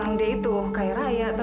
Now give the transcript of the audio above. di rumah pakai tukang gula sama nora